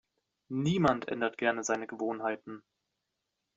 Niemand ändert gerne seine Gewohnheiten.